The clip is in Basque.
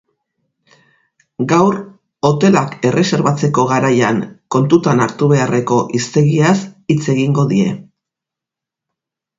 Gaur hotelak erreserbatzeko garaian kontutan hartu beharrko hiztegiaz hitz egingo die.